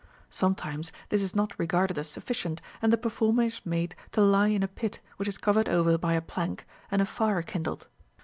Sometimes this is not regarded as sufficient, and the performer is made to lie in a pit, which is covered over by a plank, and a fire kindled.